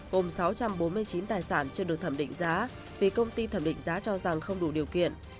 gồm sáu trăm bốn mươi chín tài sản chưa được thẩm định giá vì công ty thẩm định giá cho rằng không đủ điều kiện